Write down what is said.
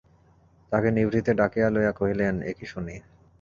তাহাকে নিভৃতে ডাকিয়া লইয়া কহিলেন, এ কী শুনি!